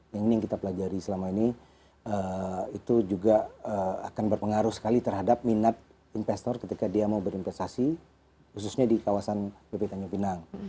yang ini yang kita pelajari selama ini itu juga akan berpengaruh sekali terhadap minat investor ketika dia mau berinvestasi khususnya di kawasan bp tanjung pinang